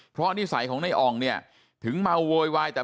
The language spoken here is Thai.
พอนี่ใส่ของไน่อ่องเนี่ยถึงเมาไวไต้